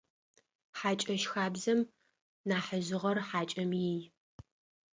Хьакӏэщ хабзэм нахьыжъыгъэр хьакӏэм ий.